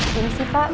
terima kasih pak